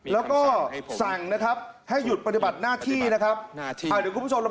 แล้วก็สั่งนะครับให้หยุดปฏิบัติหน้าที่นะครับ